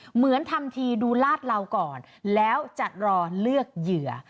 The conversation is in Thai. เหมือนทำทีดูลาดเหลาก่อนแล้วจะรอเลือกเหยื่อ